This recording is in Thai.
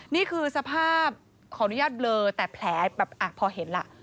นี่คือสภาพขออนุญาตเบลอแต่แผลแบบพอเห็นล่ะ